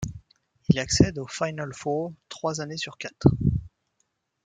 Il accède au Final Four trois années sur quatre.